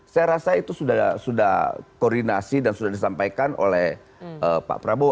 saya rasa itu sudah koordinasi dan sudah disampaikan oleh pak prabowo